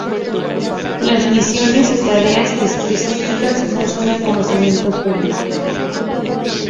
Las misiones y tareas específicas no son del conocimiento público.